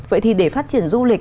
vậy thì để phát triển du lịch